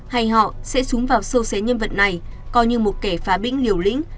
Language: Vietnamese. hay họ sẽ xuống vào sâu xé nhân vật này coi như một kẻ phá bĩnh liều lĩnh